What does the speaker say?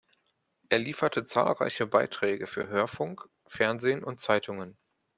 Er lieferte zahlreiche Beiträge für Hörfunk, Fernsehen und Zeitungen.